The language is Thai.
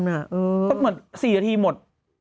ก็เหมือน๔นาทีหมด